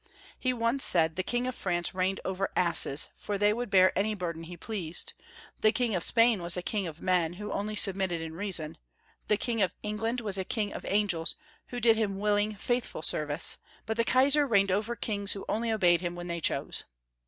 He once said the King of France reigned over asses, for they would bear any burthen he pleased; the King of Spain was a king of men, who only submitted in reason ; the King of England was a king of angels, who did him willing, faithful service ; but the Kaisai reigned over kings who only obeyed him when they chose.